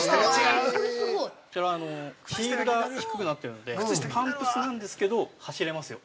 これすごい。◆ヒールが低くなっているのでパンプスなんですけど、走れますよ。